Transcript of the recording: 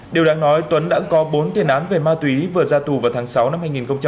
điều đáng nói tuấn đã có bốn tiền án về ma túy vừa ra tù vào tháng sáu năm hai nghìn hai mươi ba